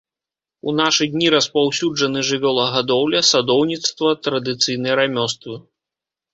У нашы дні распаўсюджаны жывёлагадоўля, садоўніцтва, традыцыйныя рамёствы.